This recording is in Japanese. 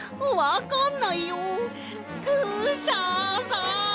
クシャさん！